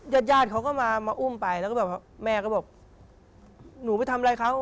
ญาติเขาก็มาอุ้มไปแล้วแม่ก็บอกหนูไปทำอะไรเขา